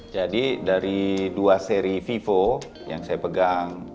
jadi dari dua seri vivo yang saya pegang